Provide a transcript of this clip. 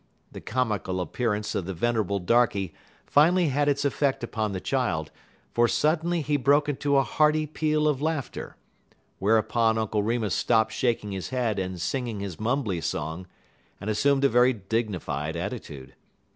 The comical appearance of the venerable darkey finally had its effect upon the child, for suddenly he broke into a hearty peal of laughter; whereupon Uncle Remus stopped shaking his head and singing his mumbly song, and assumed a very dignified attitude.